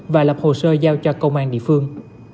và lập hồ sơ giao cho công an địa phương